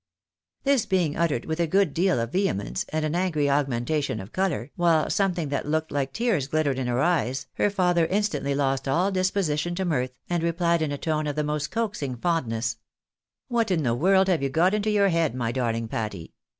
This being uttered with a good deal of vehemence, and an angry augmentation of colour, while something that looked like tears glittered in her eyes, her father instantly lost all disposition to mirth, and replied in a tone of the most coaxing fondness —" What in the world have you got into your head, my darling 230 THE BAENABYS IN AMERICA. Patty